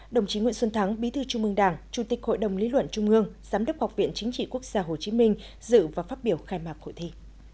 đồng chí nguyễn xuân thắng bí thư trung mương đảng chủ tịch hội đồng lý luận trung ương giám đốc học viện chính trị quốc gia hồ chí minh dự và phát biểu khai mạc hội thi